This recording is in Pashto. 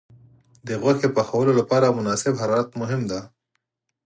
د غوښې پخولو لپاره مناسب حرارت مهم دی.